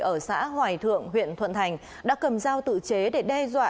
ở xã hoài thượng huyện thuận thành đã cầm dao tự chế để đe dọa